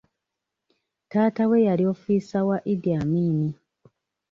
Taata we yali ofiisa wa Idi Amin.